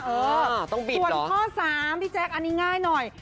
เออต้องบิดเหรอส่วนข้อสามพี่แจ๊กอันนี้ง่ายหน่อย